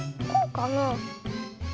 こうかな。